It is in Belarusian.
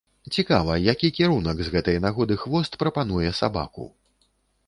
Цікава, які кірунак з гэтай нагоды хвост прапануе сабаку?